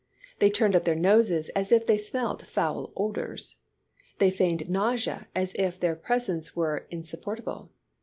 They turned up theii* noses as if they smelt foul odors. They feigned nausea as if their presence were insup portable.